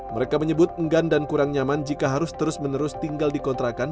mereka menyebut enggan dan kurang nyaman jika harus terus menerus tinggal di kontrakan